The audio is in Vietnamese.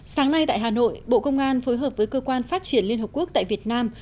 sáng nay tại hà nội bộ công an phối hợp với cơ quan phát triển liên hợp quốc tại việt nam